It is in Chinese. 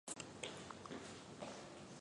细胞焦亡通常比细胞凋亡发生的更快。